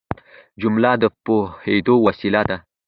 جمله د پوهېدو وسیله ده.